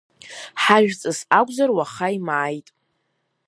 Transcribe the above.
Ҳажәҵыс акәзар уаха имааит.